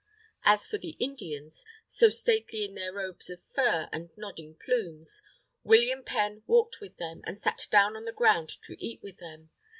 As for the Indians, so stately in their robes of fur and nodding plumes, William Penn walked with them, and sat down on the ground to eat with them.